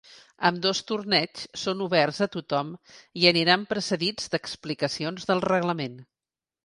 Ambdós torneigs són oberts a tothom i aniran precedits d’explicacions del reglament.